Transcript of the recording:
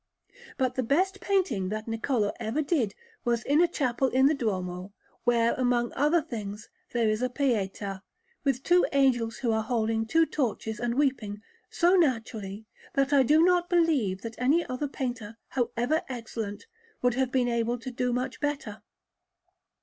But the best painting that Niccolò ever did was in a chapel in the Duomo, where, among other things, there is a Pietà, with two angels who are holding two torches and weeping so naturally, that I do not believe that any other painter, however excellent, would have been able to do much better.